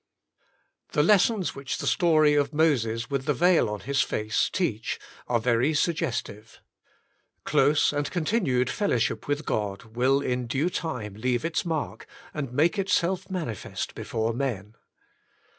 The lessons which the story of Moses with the veil on his face teach, are very suggestive. Close and continued fellowship with God will in due time leave its mark and make itself manifest before men.